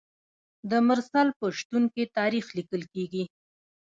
د مرسل په شتون کې تاریخ لیکل کیږي.